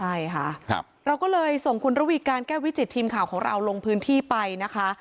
ใช่ค่ะเราก็เลยส่งคุณระวีการแก้ววิจิตทีมข่าวของเราลงพื้นที่ไปนะคะ